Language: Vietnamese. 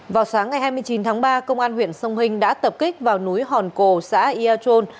vào sáng ngày hai mươi chín tháng ba công an huyện sông hinh đã tập kích vào núi hòn cồ xã yà trôn